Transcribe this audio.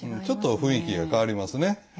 ちょっと雰囲気が変わりますね。